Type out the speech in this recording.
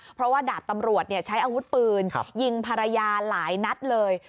เพราะว่าดาบตำรวจใช้อาวุธปืนยิงภรรยาหลายนัดเลย